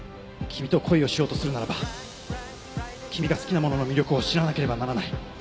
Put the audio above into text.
君と恋をしようとするならば君が好きなものの魅力を知らなければならない。